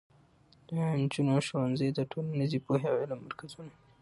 د نجونو ښوونځي د ټولنیزې پوهې او عمل مرکزونه دي.